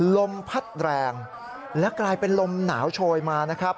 ลมพัดแรงและกลายเป็นลมหนาวโชยมานะครับ